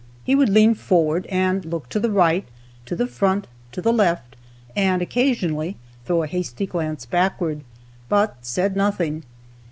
He would lean forward, and look to the right, to the front, to the left, and occasionally throw a hasty glance backward, but said nothing.